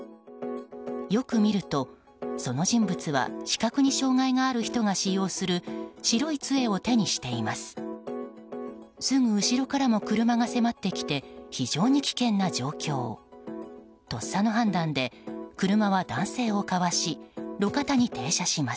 よく見ると、その人物は視覚に障害がある人が使用する白い杖を手にしています。